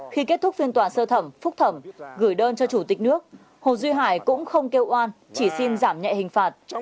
khi kết thúc phiên tòa sơ thẩm phúc thẩm gửi đơn cho chủ tịch nước hồ duy hải cũng không kêu oan chỉ xin giảm nhẹ hình phạt